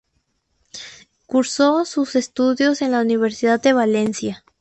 Cursó sus estudios en la Universidad de Valencia.